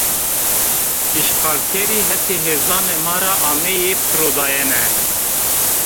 Îşxalkerî hetê hêzanê ma ra ameyî pirodayene